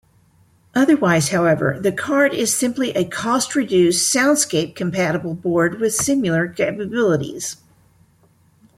Otherwise, however, the card is simply a cost-reduced Soundscape-compatible board with similar capabilities.